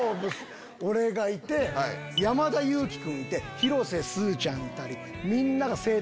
俺がいて山田裕貴君いて広瀬すずちゃんいたりみんなが。